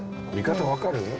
見方分かる？